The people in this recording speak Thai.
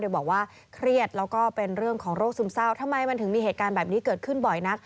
โดยบอกว่าเครียดแล้วก็เป็นเรื่องของโรคซึมเศร้าทำไมมันถึงมีเหตุการณ์แบบนี้เกิดขึ้นบ่อยนัก